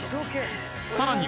さらに